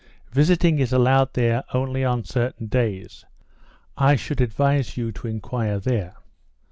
Visiting is allowed there only on certain days; I should advise you to inquire there."